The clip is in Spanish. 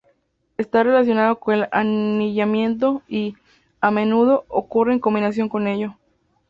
Está relacionado con el anillamiento y, a menudo, ocurre en combinación con ello.